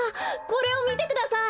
これをみてください！